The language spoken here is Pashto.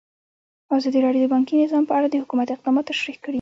ازادي راډیو د بانکي نظام په اړه د حکومت اقدامات تشریح کړي.